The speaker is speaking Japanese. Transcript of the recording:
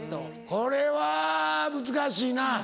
これは難しいな。